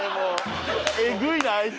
えぐいなあいつ。